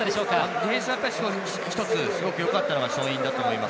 ディフェンスは１つすごくよかったのは勝因だと思います。